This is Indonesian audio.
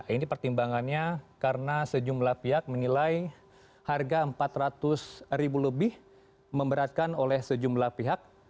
ini pertimbangannya karena sejumlah pihak menilai harga rp empat ratus ribu lebih memberatkan oleh sejumlah pihak